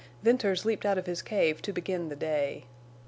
Venters leaped out of his cave to begin the day.